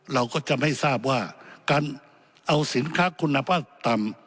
เราก็จะไม่ทราบว่าการเอาสินค้าคุณภาพต่ำ